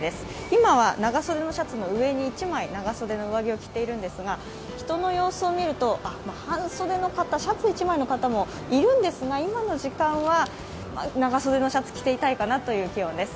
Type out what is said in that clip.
今は長袖のシャツの上に一枚長袖の上着を着ているんですが人の様子を見ると、半袖の方、シャツ１枚の方もいるんですが今の時間は長袖のシャツを着ていたいかなという気温です。